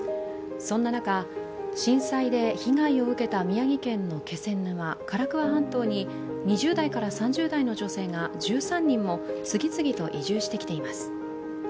そんな中、震災で被害を受けた宮城県の気仙沼、唐桑半島に２０代から３０代の女性が１３人も次々と移住してきています。